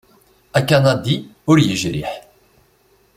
Akanadi ur yejriḥ.